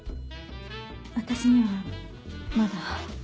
私にはまだ。